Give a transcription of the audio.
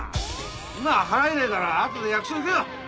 今は払えねえから後で役所行くよ！